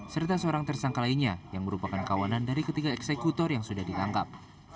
serta seorang tersangka lainnya yang merupakan kawanan dari ketiga eksekutor yang sudah ditangkap